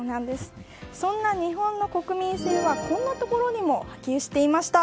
そんな日本の国民性はこんなところにも波及していました。